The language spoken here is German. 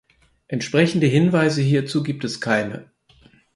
Entsprechende Hinweise hierzu gibt es keine.